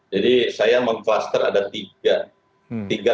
jadi saya mengkluster ada tiga